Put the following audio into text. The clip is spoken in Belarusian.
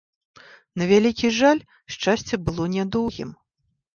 На вялікі жаль, шчасце было нядоўгім.